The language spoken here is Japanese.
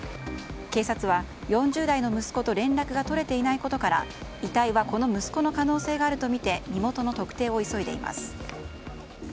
警察は４０代の息子と連絡が取れていないことから遺体はこの息子の可能性があるとみて身元の特定を急いでいます。